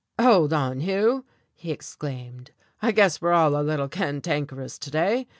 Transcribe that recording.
"Hold on, Hugh," he exclaimed, "I guess we're all a little cantankerous today.